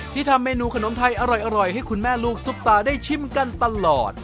ทำเมนูขนมไทยอร่อยให้คุณแม่ลูกซุปตาได้ชิมกันตลอด